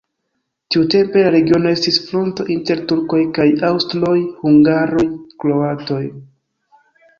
Tiutempe la regiono estis fronto inter turkoj kaj aŭstroj-hungaroj-kroatoj.